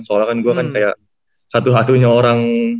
soalnya kan gue kan kayak satu satunya orang